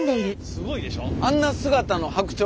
すごいでしょ。